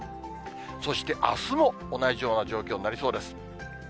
そしてあすも同じような状況になりそうです。